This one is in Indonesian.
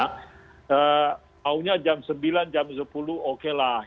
maunya jam sembilan jam sepuluh okelah